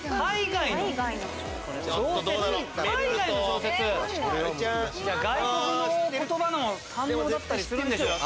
外国の言葉も堪能だったりするんでしょうか。